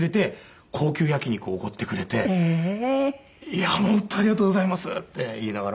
「いや本当ありがとうございます」って言いながら。